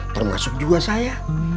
termasuk juga saya